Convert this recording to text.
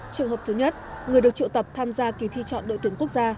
trường hợp thứ nhất người được triệu tập tham gia kỳ thi chọn đội tuyển quốc gia